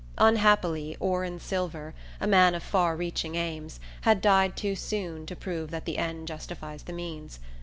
Unhappily Orin Silver, a man of far reaching aims, had died too soon to prove that the end justifies the means.